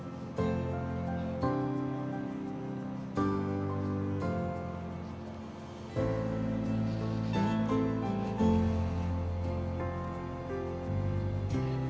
masa bertemu yang lucu lucu